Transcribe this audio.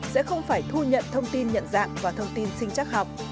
sẽ không phải thu nhận thông tin nhận dạng và thông tin sinh chắc học